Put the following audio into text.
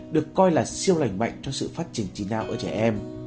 được coi là siêu lành mạnh cho sự phát triển trí đạo ở trẻ em